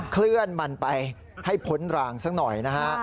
เคลื่อนมันไปให้พ้นรางสักหน่อยนะฮะ